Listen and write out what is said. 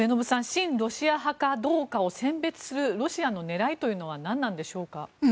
親ロシア派かどうかを選別するロシアの狙いというのは何なんでしょうか。